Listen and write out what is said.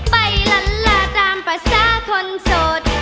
ไปละละตามภาษาคนสด